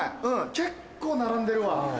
結構並んでるわ。